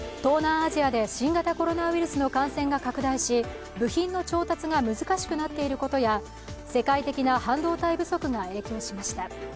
東南アジアで新型コロナウイルスの感染が拡大し部品の調達が難しくなっていることや世界的な半導体不足が影響しました。